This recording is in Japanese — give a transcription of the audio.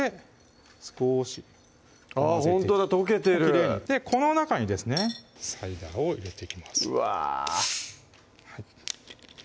少しほんとだ溶けてるこの中にですねサイダーを入れていきますうわ！